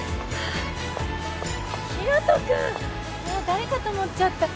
誰かと思っちゃった。